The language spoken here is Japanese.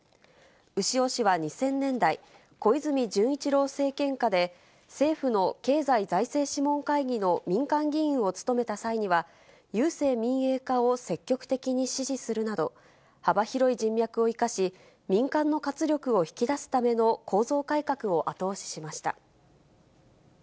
牛尾氏は２０００年代、小泉純一郎政権下で、政府の経済財政諮問会議の民間議員を務めた際には、郵政民営化を積極的に支持するなど、幅広い人脈を生かし、民間の活力を引き出すための構造改革を後押ししました。